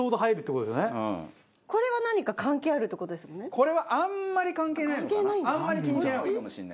これはあんまり関係ないのかな。